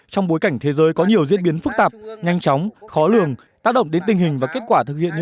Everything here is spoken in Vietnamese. trong bối cảnh thế giới có nhiều diễn biến phức tạp nhanh chóng khó lường tác động đến tình hình